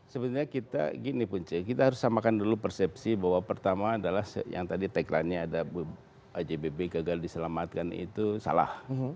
sebenarnya kita gini punce kita harus samakan dulu persepsi bahwa pertama adalah yang tadi tagline nya ada ajbp gagal diselamatkan itu salah